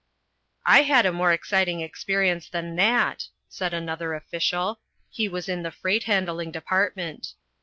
"I had a more exciting experience than that," said another official he was in the freight handling department.